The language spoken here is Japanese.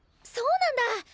そうなんだ！